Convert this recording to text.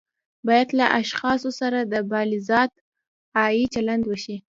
باید له اشخاصو سره د بالذات غایې چلند وشي.